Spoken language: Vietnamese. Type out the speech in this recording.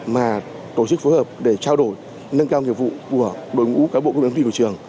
mà tổ chức phối hợp để trao đổi nâng cao nhiệm vụ của đội ngũ cáo bộ công an thủy của trường